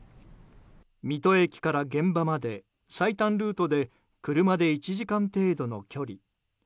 水戸駅から現場まで最短ルートで車で１時間程度の距離。